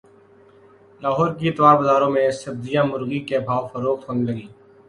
لاہور کے اتوار بازاروں میں سبزیاں مرغی کے بھاو فروخت ہونے لگیں